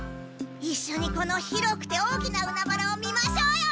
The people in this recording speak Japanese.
いっしょにこの広くて大きな海原を見ましょうよ！